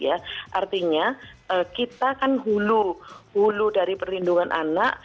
artinya kita kan hulu dari perlindungan anak